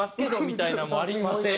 みたいなのもありません？